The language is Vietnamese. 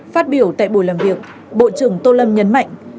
phát biểu tại buổi làm việc bộ trưởng tô lâm nhấn mạnh